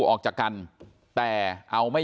โปรดติดตามต่อไป